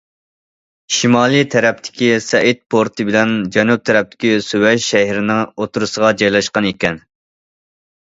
شىمالىي تەرەپتىكى سەئىد پورتى بىلەن جەنۇب تەرەپتىكى سۇۋەيىش شەھىرىنىڭ ئوتتۇرىسىغا جايلاشقان ئىكەن.